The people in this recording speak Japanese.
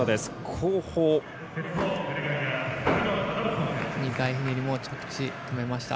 後方２回ひねりも着地止めました。